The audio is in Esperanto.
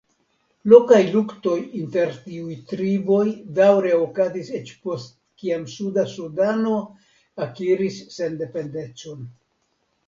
Lokaj luktoj inter tiuj triboj daŭre okazis eĉ post kiam Suda Sudano akiris sendependecon.